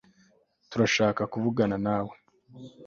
turashaka kuvugana nawe